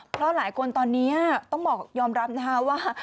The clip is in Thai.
เพราะหลายคนตอนนี้ต้องบอกยอมรับนะคะว่า